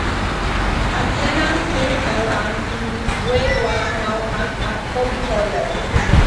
A tenant who held land in this way was known as a "copyholder".